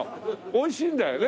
美味しいんだよね！